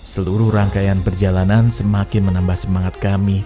seluruh rangkaian perjalanan semakin menambah semangat kami